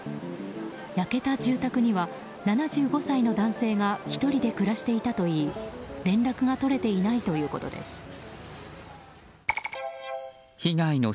焼けた住宅には７５歳の男性が１人で暮らしていたといい連絡が取れていないということです。